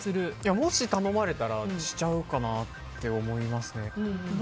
もし、頼まれたらしちゃうかなって思いますね。